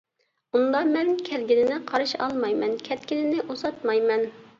ئۇندا مەن كەلگىنىنى قارشى ئالمايمەن، كەتكىنىنى ئۇزاتمايمەن.